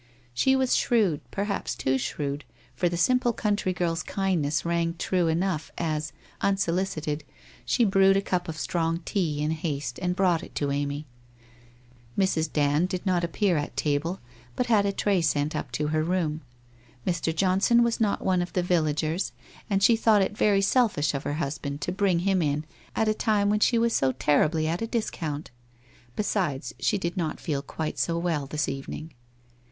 She was shrewd, perhaps too shrewd, for the simple country girl's kindness rang true enough as, unsolicited, she brewed a cup of strong tea in haste, and brought it to Amy. lira. Dand did not appear at table, but had a tray sent np to her room. Mr. Johnson was not one of the ' vil r<,' and lie thought it very selfish of her husband to bring him in at a time when she wa BO terribly at a dis count. Besides, he did not feel quite BO well this evening!